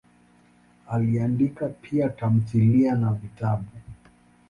Aliandika pia tamthilia na vitabu.